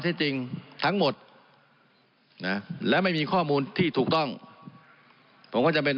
อุ้ยไปเปรียบเที่ยวมันยังไม่โกรธตายหรอ